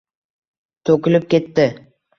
To‘kilib ketdi.